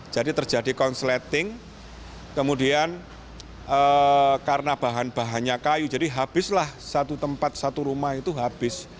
jadi terjadi korsleting kemudian karena bahan bahannya kayu jadi habislah satu tempat satu rumah itu habis